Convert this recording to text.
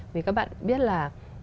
vì các bạn biết là